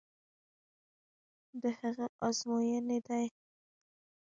د هغه ازموینې دي.